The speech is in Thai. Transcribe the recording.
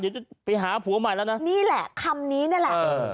เดี๋ยวจะไปหาผัวใหม่แล้วนะนี่แหละคำนี้นี่แหละเออ